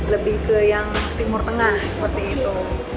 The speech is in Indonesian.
lebih ke yang timur tengah seperti itu